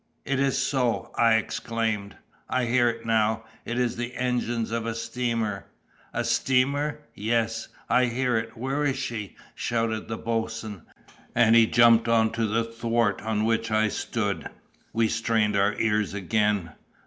"It is so!" I exclaimed. "I hear it now! it is the engines of a steamer." "A steamer? Yes! I hear it! where is she?" shouted the boatswain, and he jumped on to the thwart on which I stood. We strained our ears again.